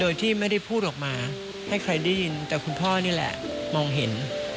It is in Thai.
โดยที่ไม่ได้พูดออกมาให้ใครได้ยินแต่คุณพ่อนี่แหละมองเห็น